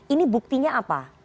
ini buktinya apa